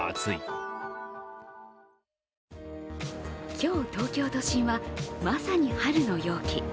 今日、東京都心はまさに春の陽気。